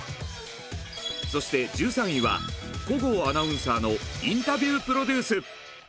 そして１３位は小郷アナウンサーのインタビュープロデュース！